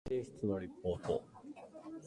再提出のリポート